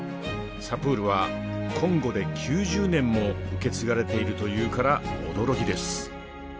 サプールはコンゴで９０年も受け継がれているというから驚きです。